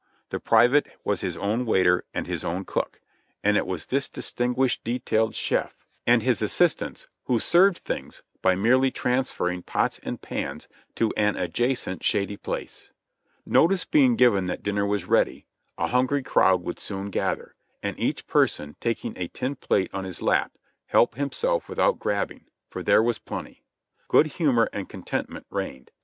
The pri vate was his own waiter and his own cook, and it was this distin CAMP NO CAMP 75 guished detailed chef and his assistants who served things by merely transferring pots and pans to an adjacent shady place. Notice being given that dinner was ready, a hungry crowd would soon gather, and each person taking a tin plate on his lap, help himself without grabbing — for there was plenty. Good humor and contentment reigned.